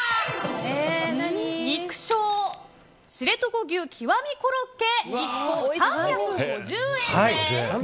肉将、知床牛極コロッケ１個３５０円です。